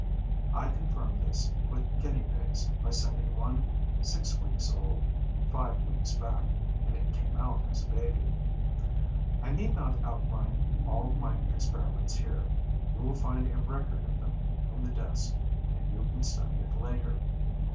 "I confirmed this with guinea pigs by sending one six weeks old five weeks back and it came out a baby. "I need not outline all my experiments here. You will find a record of them in the desk and you can study it later.